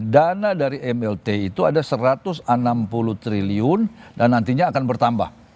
dana dari mlt itu ada satu ratus enam puluh triliun dan nantinya akan bertambah